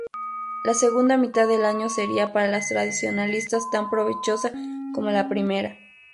La segunda mitad del año sería para los tradicionalistas tan provechosa como la primera.